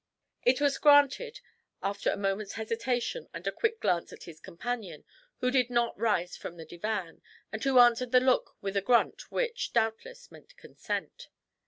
It was granted, after a moment's hesitation and a quick glance at his companion, who did not rise from the divan, and who answered the look with a grunt which, doubtless, meant consent.